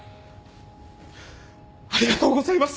ありがとうございます！